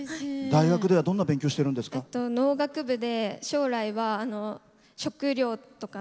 大学ではどんな勉強してるんですか？